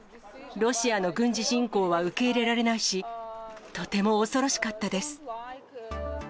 ロシアの軍事侵攻は受け入れられないし、とても恐ろしかったです。